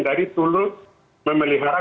dari tool memelihara